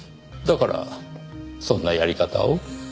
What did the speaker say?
だからそんなやり方を？